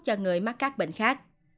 cho người mắc các bệnh khác